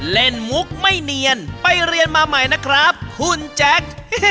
มุกไม่เนียนไปเรียนมาใหม่นะครับคุณแจ๊ค